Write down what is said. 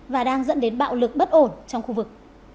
và đang dẫn đến bạo lực bất ổn trong khu vực